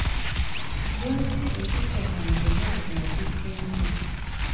Lwaki ekittabantu ennaku zino kizzeemu?